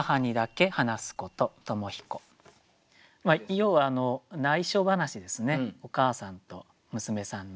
要はないしょ話ですねお母さんと娘さんの。